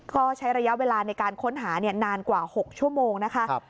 ก็ใช้ระยะเวลาในการค้นหานานกว่า๖ชั่วโมงนะคะ